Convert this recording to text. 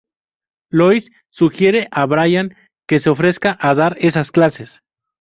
Lois sugiere a Brian que se ofrezca a dar esas clases.